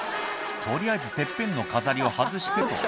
「取りあえずてっぺんの飾りを外してと」